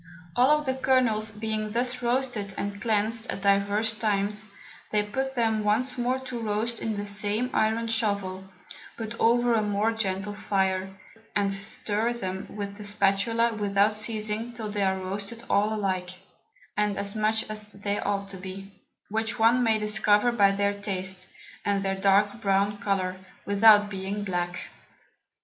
All the Kernels being thus roasted and cleansed at divers times, they put them once more to roast in the same Iron Shovel, but over a more gentle Fire, and stir them with the Spatula without ceasing till they are roasted all alike, and as much as they ought to be; which one may discover by their Taste, and their dark brown Colour, without being black.